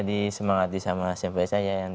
disemangati sama smp saya yang